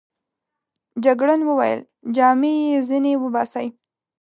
جګړن وویل: جامې يې ځینې وباسئ.